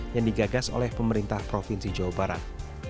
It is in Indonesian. yang digagas oleh pemerintah provinsi jawa barat